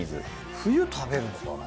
冬食べるのかな？